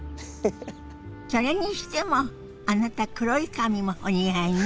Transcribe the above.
それにしてもあなた黒い髪もお似合いね。